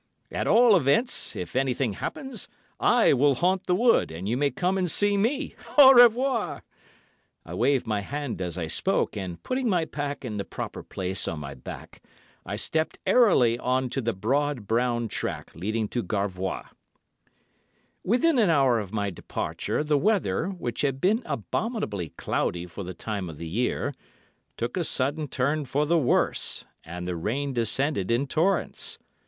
'At all events, if anything happens, I will haunt the wood, and you may come and see me. Au revoir!' I waved my hand as I spoke, and putting my pack in the proper place on my back, I stepped airily on to the broad, brown track leading to Garvois. "Within an hour of my departure, the weather, which had been abominably cloudy for the time of the year, took a sudden turn for the worse, and the rain descended in torrents.